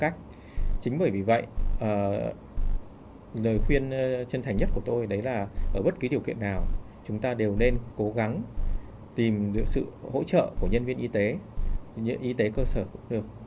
chính bởi vì vậy lời khuyên chân thành nhất của tôi đấy là ở bất cứ điều kiện nào chúng ta đều nên cố gắng tìm được sự hỗ trợ của nhân viên y tế y tế cơ sở